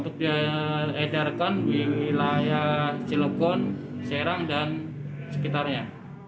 untuk diedarkan di wilayah cilegon serang dan sekitarnya